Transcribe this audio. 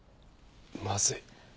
まずい。